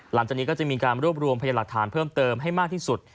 หลังจากนี้ก็จะมีการรวบรวมพยานหลักฐานเพิ่มเติมให้มากที่สุด